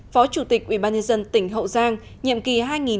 phó chủ tịch ubnd tỉnh hậu giang nhiệm kỳ hai nghìn một mươi một hai nghìn một mươi sáu